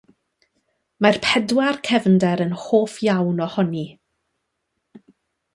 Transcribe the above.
Mae'r pedwar cefnder yn hoff iawn ohoni.